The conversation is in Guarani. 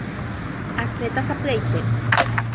Asẽta sapy'aite.